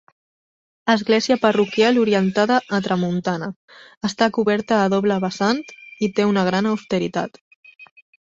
Església parroquial orientada a tramuntana; està coberta a doble vessant i té una gran austeritat.